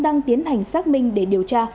đang tiến hành xác minh để điều tra